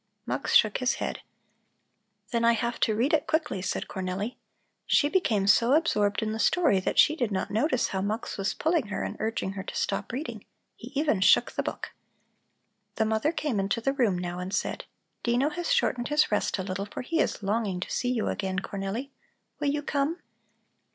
Mux shook his head. "Then I have to read it quickly," said Cornelli. She became so absorbed in the story that she did not notice how Mux was pulling her and urging her to stop reading; he even shook the book. The mother came into the room now and said: "Dino has shortened his rest a little, for he is longing to see you again, Cornelli. Will you come?"